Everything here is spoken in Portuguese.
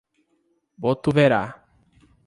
Botuverá